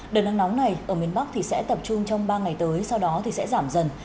đợt nắng nóng này ở miền bắc sẽ tập trung trong ba ngày tới sau đó thì sẽ giảm dần